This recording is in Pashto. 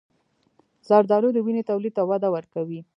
زردآلو د وینې تولید ته وده ورکوي.